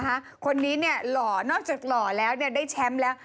คนนี้เนี่ยหล่อนอกจากหล่อแล้วเนี่ยได้แชมป์แล้ว